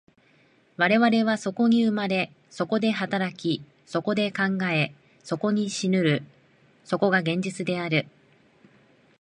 我々はそこに生まれ、そこで働き、そこで考え、そこに死ぬる、そこが現実である。